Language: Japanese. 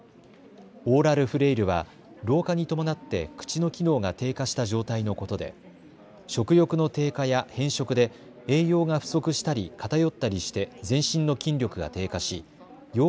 オーラルフレイルは老化に伴って口の機能が低下した状態のことで食欲の低下や偏食で栄養が不足したり偏ったりして全身の筋力が低下し要